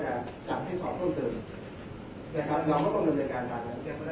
พนักงานสอบสวนเนี่ยเรามีการสอบการทำงานนะครับ